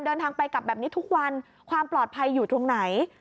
เดินทางไปกลับแบบนี้ทุกวันความปลอดภัยอยู่ตรงไหน